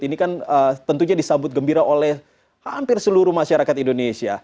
ini kan tentunya disambut gembira oleh hampir seluruh masyarakat indonesia